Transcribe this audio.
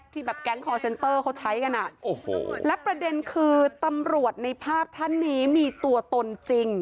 ที่แบบแก๊งคอร์เซ็นเตอร์เขาใช้กันอ่ะโอ้โหและประเด็นคือตำรวจในภาพท่านนี้มีตัวตนจริง